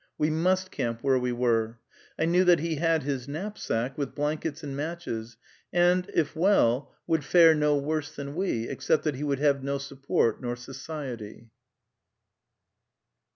We must camp where we were. I knew that he had his knapsack, with blankets and matches, and, if well, would fare no worse than we, except that he would have no supper nor society.